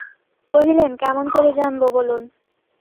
কহিলেন, কেমন করে জানব বলুন।